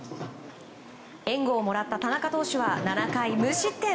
援護をもらった田中投手は７回無失点。